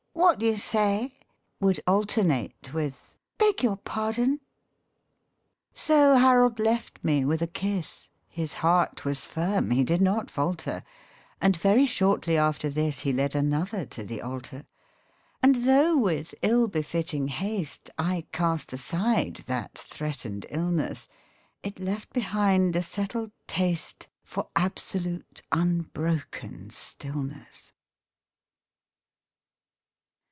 " What d'you say ?" Would alternate with " Beg your pardon !" MEN I MIGHT HAVE MARRIED So Harold left me with a kiss His heart was firm, he did not falter And very shortly after this He led another to the altar. And though with ill befitting haste I cast aside that threatened illness, It left behind a settled taste For absolute unbroken stillness.